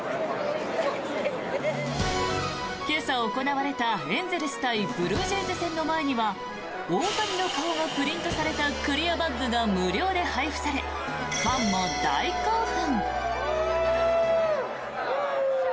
今朝行われたエンゼルス対ブルージェイズ戦の前には大谷の顔がプリントされたクリアバッグが無料で配布されファンも大興奮。